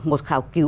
một khảo cứu